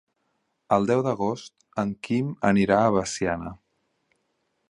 El deu d'agost en Quim anirà a Veciana.